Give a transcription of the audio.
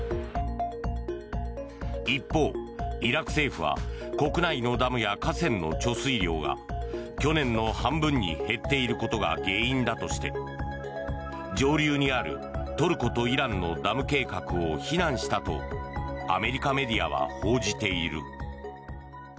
一方、イラク政府は国内のダムや河川の貯水量が去年の半分に減っていることが原因だとして上流にあるトルコとイランのダム計画を非難したとアメリカメディアは報じている。